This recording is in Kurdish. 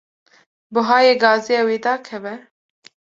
Buhayê gazê ew ê dakeve?